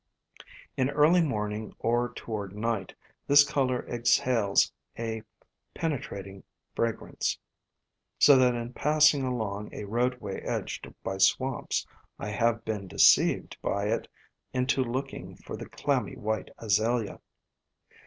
In early morning or toward night this flower exhales a penetrating fragrance, so that in passing along a roadway edged by swamps I have been deceived by it into looking for the Clammy White Azalea.